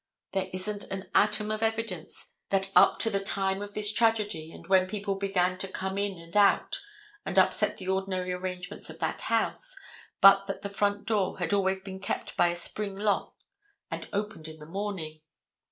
There isn't an atom of evidence that up to the time of this tragedy and when people began to come in and out and upset the ordinary arrangements of that house, but that the front door had always been kept by a spring lock and opened in the morning.